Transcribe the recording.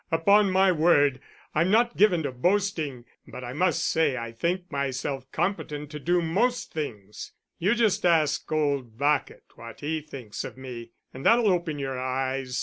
Upon my word, I'm not given to boasting, but I must say I think myself competent to do most things.... You just ask old Bacot what he thinks of me, and that'll open your eyes.